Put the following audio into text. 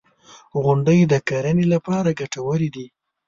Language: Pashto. • غونډۍ د کرنې لپاره ګټورې دي.